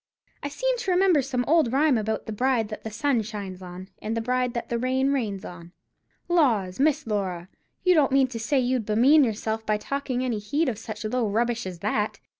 "I seem to remember some old rhyme about the bride that the sun shines on, and the bride that the rain rains on." "Laws, Miss Laura, you don't mean to say as you'd bemean yourself by taking any heed of such low rubbish as that?"